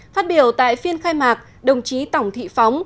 phát biểu tại phiên khai mạc đồng chí tổng thị phóng